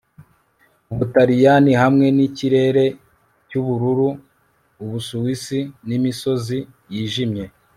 ubutaliyani hamwe nikirere cyubururu, ubusuwisi n'imisozi yijimye